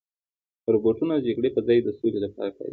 روبوټونه د جګړې په ځای د سولې لپاره کارېږي.